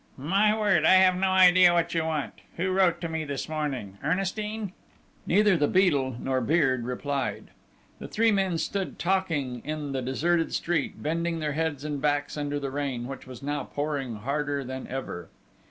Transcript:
"My word, I have no idea what you want!... Who wrote to me this morning? Ernestine?" Neither the Beadle nor Beard replied. The three men stood talking in the deserted street, bending their heads and backs under the rain, which was now pouring harder than ever.